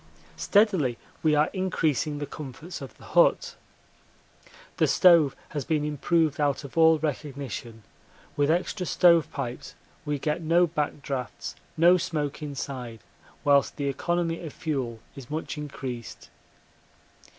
Steadily we are increasing the comforts of the hut. The stove has been improved out of all recognition; with extra stove pipes we get no back draughts, no smoke inside, whilst the economy of fuel is much increased.